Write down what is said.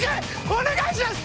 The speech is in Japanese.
お願いします。